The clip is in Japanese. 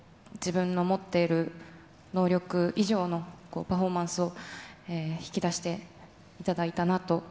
自分の持っている能力以上のパフォーマンスを引き出していただいたなと。